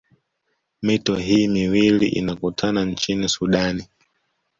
Mito hii miwili inakutana nchini sudani